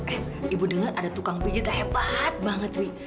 eh ibu dengar ada tukang pijat yang hebat banget wih